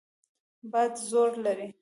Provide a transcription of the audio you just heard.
باد زور لري.